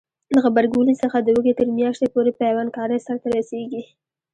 د غبرګولي څخه د وږي تر میاشتې پورې پیوند کاری سرته رسیږي.